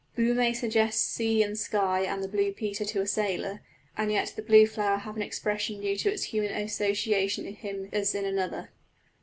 Blue may suggest sea and sky and the Blue Peter to a sailor, and yet the blue flower have an expression due to its human association in him as in another.